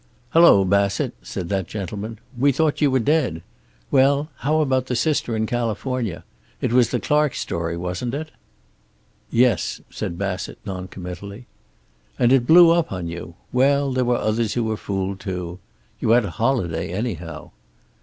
"Hello, Bassett," said that gentleman. "We thought you were dead. Well, how about the sister in California? It was the Clark story, wasn't it?" "Yes," said Bassett, noncommittally. "And it blew up on you! Well, there were others who were fooled, too. You had a holiday, anyhow."